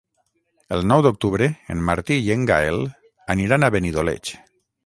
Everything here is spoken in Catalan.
El nou d'octubre en Martí i en Gaël aniran a Benidoleig.